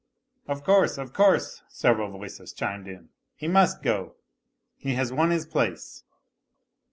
" Of course, of course," several voices chimed in; " he must go, he has won his place."